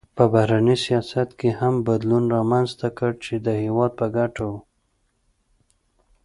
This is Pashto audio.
په بهرني سیاست کې هم بدلون رامنځته کړ چې د هېواد په ګټه و.